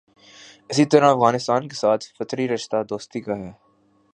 اسی طرح افغانستان کے ساتھ فطری رشتہ دوستی کا ہے۔